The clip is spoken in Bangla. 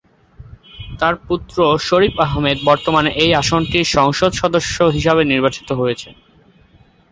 তার পুত্র শরীফ আহমেদ বর্তমানে এই আসনটির সংসদ সদস্য হিসাবে নির্বাচিত হয়েছেন।